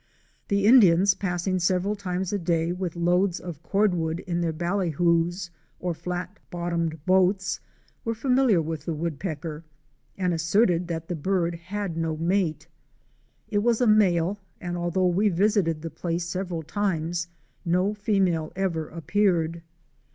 The Indians, passing several times a day, with loads of cord wood in their ballyhoos or flat bottomed boats, were familiar with the Woodpecker and asserted that the bird had no mate. It was a male and although we visited the place several times no female ever appeared.